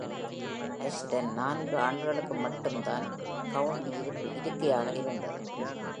அஷ்டன் நான்கு ஆண்டுகளுக்குமட்டும்தான் கவுன்டி இருக்கையாக இருந்தது.